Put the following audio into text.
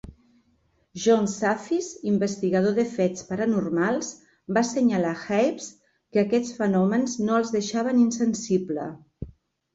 John Zaffis, investigador de fets paranormals, va assenyalar a Hawes que aquests fenòmens no el deixaven insensible.